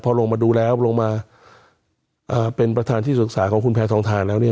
พอลงมาดูแล้วลงมาเป็นประธานที่ศึกษาของคุณแพทองทานแล้วเนี่ย